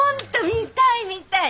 見たい見たい。